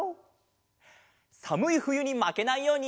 さむいふゆにまけないように。